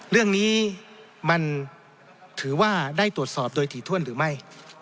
เรื่องนี้มันถือว่าได้ตรวจสอบโดยถี่ถ้วนหรือไม่